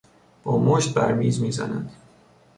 با مشت بر میز میزند.